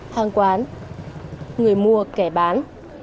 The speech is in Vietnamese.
hàng quán người mua kẻ bán